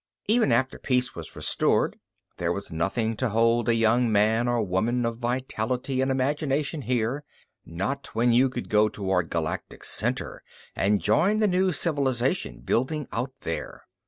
Even after peace was restored, there was nothing to hold a young man or woman of vitality and imagination here not when you could go toward Galactic center and join the new civilization building out there.